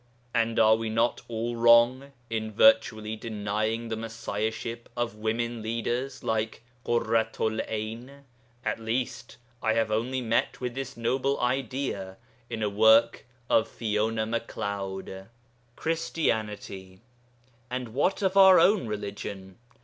And are we not all wrong in virtually denying the Messiahship of women leaders like Kurratu'l 'Ayn; at least, I have only met with this noble idea in a work of Fiona Macleod. CHRISTIANITY And what of our own religion?